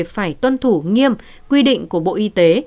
phải tuân thủ nghiêm quy định của bộ y tế